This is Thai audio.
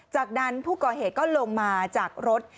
จากนั้นผู้ก่อเหตุก็ลงมาจากรถ